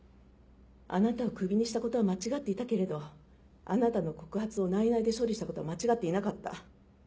あなたをクビにしたことは間違っていたけれどあなたの告発を内々で処理したことは間違っていなかった。